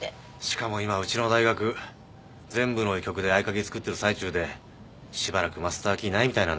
しかも今うちの大学全部の医局で合鍵作ってる最中でしばらくマスターキーないみたいなんですよ。